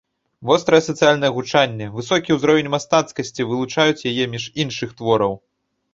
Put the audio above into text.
Вострае сацыяльнае гучанне, высокі ўзровень мастацкасці вылучаюць яе між іншых твораў.